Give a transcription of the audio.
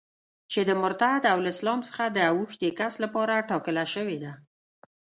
چي د مرتد او له اسلام څخه د اوښتي کس لپاره ټاکله سوې ده.